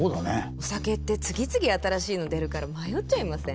お酒って次々新しいの出るから迷っちゃいません？